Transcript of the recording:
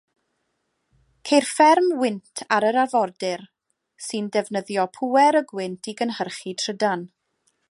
Ceir fferm wynt ar yr arfordir, sy'n defnyddio pŵer y gwynt i gynhyrchu trydan.